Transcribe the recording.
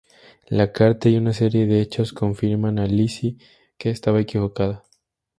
La carta y una serie de hechos confirman a Lizzie que estaba equivocada.